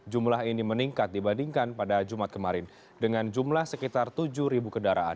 jumlah ini meningkat dibandingkan pada jumat kemarin dengan jumlah sekitar tujuh kendaraan